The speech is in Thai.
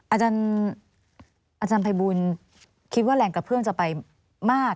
อาจารย์ภัยบูลคิดว่าแรงกระเพื่อมจะไปมาก